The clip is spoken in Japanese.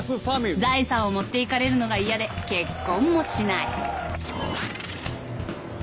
財産を持っていかれるのが嫌で結婚もしない。